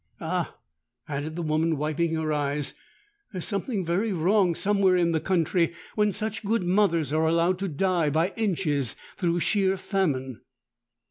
Ah!' added the woman, wiping her eyes, 'there's something very wrong somewhere in the country when such good mothers are allowed to die by inches through sheer famine!'